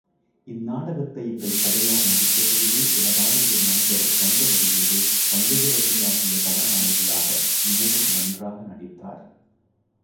இந் நாடகத்தை எங்கள் சபையார் நடித்தபொழுது எனதாருயிர் நண்பர் ரங்கவடிவேலு பங்கஜவல்லியாகிய கதா நாயகியாக மிகவும் நன்றாக நடித்தார்.